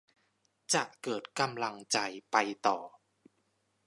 จะเกิดกำลังใจไปต่อ